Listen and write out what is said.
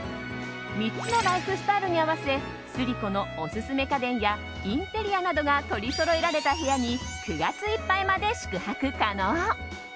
３つのライフスタイルに合わせスリコのオススメ家電やインテリアなどが取りそろえられた部屋に９月いっぱいまで宿泊可能。